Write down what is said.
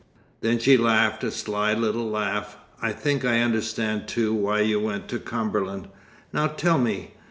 Then she laughed a sly little laugh. "I think I understand too why you went to Cumberland. Now tell me.